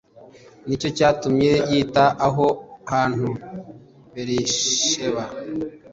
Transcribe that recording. Ni cyo cyatumye yita aho hantu Berisheba